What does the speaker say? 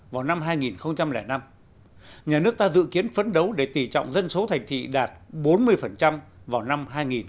vào năm hai nghìn năm nhà nước ta dự kiến phấn đấu để tỷ trọng dân số thành thị đạt bốn mươi vào năm hai nghìn hai mươi